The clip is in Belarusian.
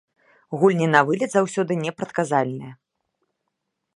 Гульні на вылет заўсёды непрадказальныя.